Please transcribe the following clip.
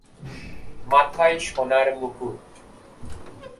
মাথায় সোনার মুকুট।